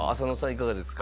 いかがですか？